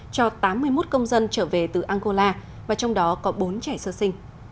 cho tám mươi một công dân trở về từ angola và trong đó có bốn trẻ sơ sinh